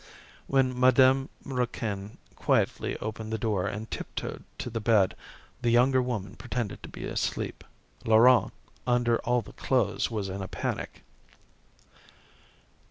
When Madame Raquin quietly opened the door and tiptoed to the bed the younger woman pretended to be asleep. Laurent, under all the clothes was in a panic.